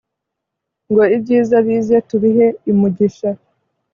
ngo ibyiza bize tubihe imugisha